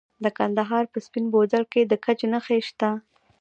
د کندهار په سپین بولدک کې د ګچ نښې شته.